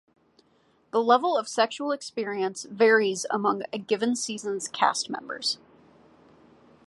The level of sexual experience varies among a given season's cast members.